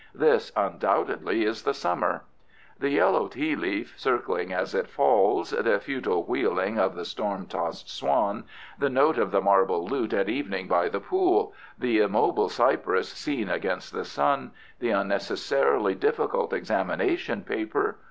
This undoubtedly is the Summer. The yellow tea leaf circling as it falls; The futile wheeling of the storm tossed swan; The note of the marble lute at evening by the pool; The immobile cypress seen against the sun. The unnecessarily difficult examination paper.